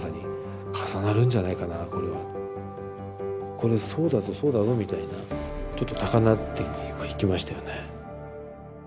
これそうだぞそうだぞみたいなちょっと高鳴ってはいきましたよね。